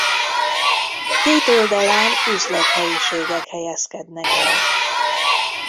Két oldalán üzlethelyiségek helyezkednek el.